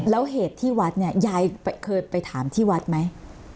แล้วเหตุที่วัดเนี่ยยายเคยไปถามที่วัดไหม